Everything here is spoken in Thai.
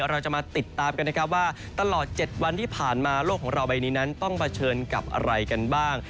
เราจะมาติดตามกันนะครับว่าตลอด๗วันที่ผ่านมาโลกของเราใบนี้นั้นต้องเผชิญกับอะไรกันบ้าง